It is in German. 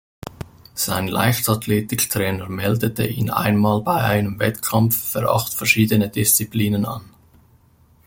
Sein Leichtathletiktrainer meldete ihn einmal bei einem Wettkampf für acht verschiedene Disziplinen an.